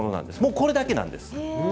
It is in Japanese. これだけなんです。